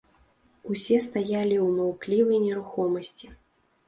Усе стаялі ў маўклівай нерухомасці.